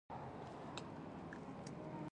قدرت د کایناتو د پراخوالي راز لري.